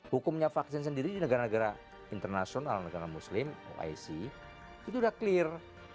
hukumnya vaksin sendiri di negara negara internasional negara muslim oic itu sudah clear